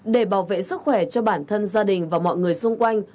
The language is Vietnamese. để bảo vệ sức khỏe cho bản thân gia đình và mọi người xung quanh